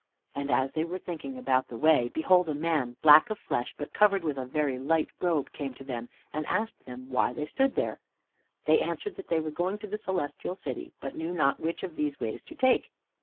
And as they were thinking about the way, behold, a man, black of flesh, but covered with a very light robe, came to them, and asked them why they stood there. They answered they were going to the Celestial City, but knew not which of these ways to take.